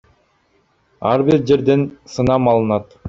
Ар бир жерден сынам алынат.